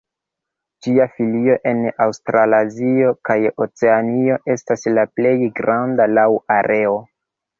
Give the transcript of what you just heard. Ĝia filio en Aŭstralazio kaj Oceanio estas la plej granda laŭ areo.